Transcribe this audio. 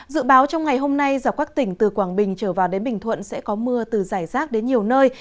dự báo trong ngày hôm nay dọc các tỉnh từ quảng bình trở vào đến bình thuận sẽ có mưa từ giải rác đến nhiều nơi